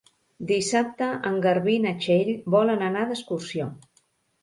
Dissabte en Garbí i na Txell volen anar d'excursió.